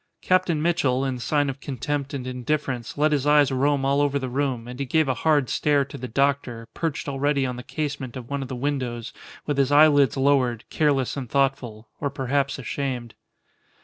Captain Mitchell, in sign of contempt and indifference, let his eyes roam all over the room, and he gave a hard stare to the doctor, perched already on the casement of one of the windows, with his eyelids lowered, careless and thoughtful or perhaps ashamed.